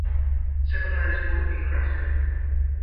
Secondary School in Crosshill.